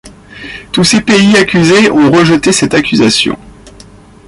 Tous ces pays accusés ont rejeté cette accusation.